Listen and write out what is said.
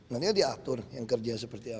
nantinya diatur yang kerja seperti apa